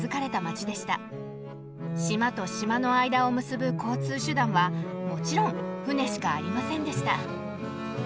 島と島の間を結ぶ交通手段はもちろん船しかありませんでした。